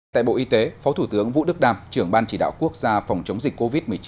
tại bộ y tế phó thủ tướng vũ đức đam trưởng ban chỉ đạo quốc gia phòng chống dịch covid một mươi chín